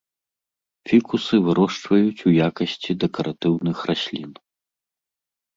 Фікусы вырошчваюць у якасці дэкаратыўных раслін.